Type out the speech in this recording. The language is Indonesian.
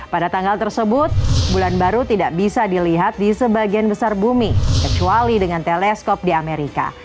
pada tanggal tersebut bulan baru tidak bisa dilihat di sebagian besar bumi kecuali dengan teleskop di amerika